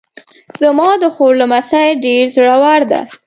زما د خور لمسی ډېر زړور ده